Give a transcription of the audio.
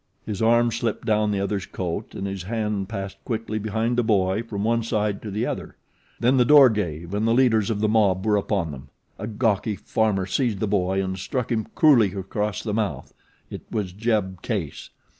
His arm slipped down the other's coat and his hand passed quickly behind the boy from one side to the other; then the door gave and the leaders of the mob were upon them. A gawky farmer seized the boy and struck him cruelly across the mouth. It was Jeb Case.